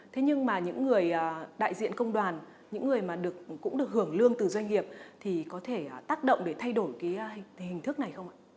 thế nhưng mà những người đại diện công đoàn những người mà cũng được hưởng lương từ doanh nghiệp thì có thể tác động để thay đổi cái hình thức này không ạ